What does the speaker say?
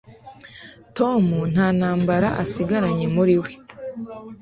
Tom nta ntambara asigaranye muri we.